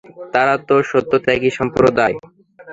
তারা তো সত্যত্যাগী সম্প্রদায়।